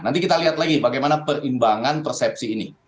nanti kita lihat lagi bagaimana perimbangan persepsi ini